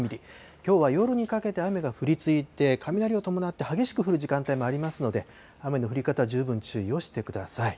きょうは夜にかけて雨が降り続いて、雷を伴って激しく降る時間帯もありますので、雨の降り方、十分注意をしてください。